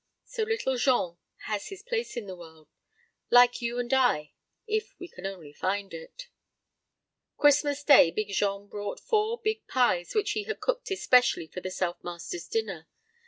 So Little Jean has his place in the world like you and I if we can only find it.... ... Xmas Day Big Jean brought four big pies which he had cooked especially for the Self Masters' dinner.